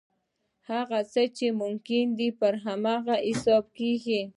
هغه څه چې ممکن دي پر هغه حساب کېږي.